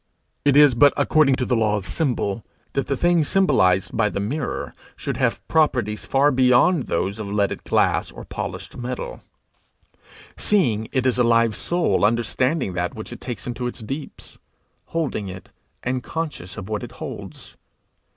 It is but according to the law of symbol, that the thing symbolized by the mirror should have properties far beyond those of leaded glass or polished metal, seeing it is a live soul understanding that which it takes into its deeps holding it, and conscious of what it holds.